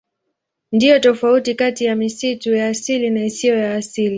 Ndiyo tofauti kati ya misitu ya asili na isiyo ya asili.